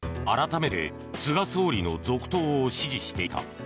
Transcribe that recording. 改めて菅総理の続投を支持していた。